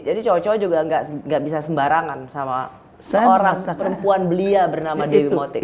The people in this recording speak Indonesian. jadi cowok cowok juga gak bisa sembarangan sama seorang perempuan belia bernama dewi emotik